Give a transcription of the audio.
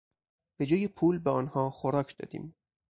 بهجای پول به آنها خوراک دادیم.